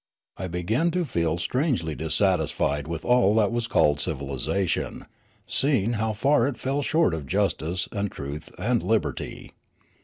I began to feel strangely dissatisfied with all that was called civilisation, seeing how far it fell short of justice and truth and liberty.